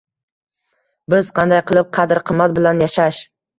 Biz qanday qilib qadr-qimmat bilan yashash